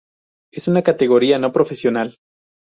Es una categoría no profesional.